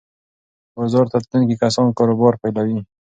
بازار ته تلونکي کسان کاروبار پیلوي.